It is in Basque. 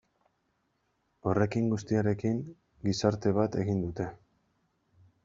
Horrekin guztiarekin gizarte bat egin dute.